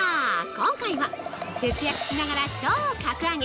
今回は節約しながら超格上げ！